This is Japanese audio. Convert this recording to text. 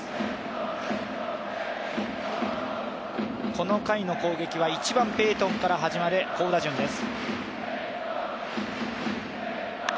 この回の攻撃は１番・ペイトンから始まる、好打順です。